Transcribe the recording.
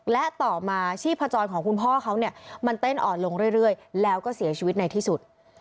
และต่อมาชีพจรของคุณพ่อเขาเนี่ยมันเต้นอ่อนลงเรื่อยแล้วก็เสียชีวิตในที่สุด